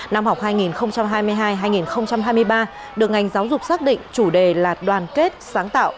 năm học hai nghìn hai mươi hai hai nghìn hai mươi ba được ngành giáo dục xác định chủ đề là đoàn kết sáng tạo